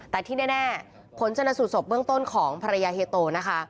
แต่ที่แน่ผลชนสูตรศพเบื้องต้นของภรรยาเฮียโตนะคะ